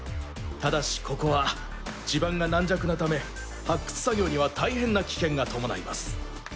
ただしここは地盤が軟弱なため発掘作業にはたいへんな危険が伴います。